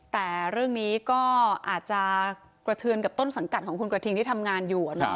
แต่เรื่องนี้ก็อาจจะกระเทือนกับต้นสังกัดของคุณกระทิงที่ทำงานอยู่